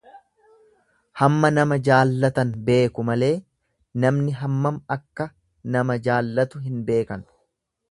Hamma nama jaallatan beeku malee, namni hammam akka nama jaallatu hin beekan.